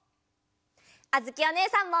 あづきおねえさんも！